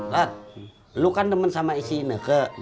rot lo kan demen sama si ini ke